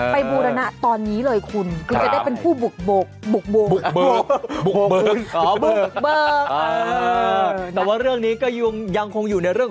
ไปโบรนัะตอนนี้เลยคุณ